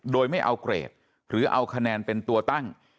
โดยไม่เอาเกรดหรือเอาคะแนนเป็นตัวตั้ง